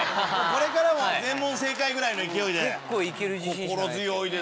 これから全問正解ぐらいの勢いで。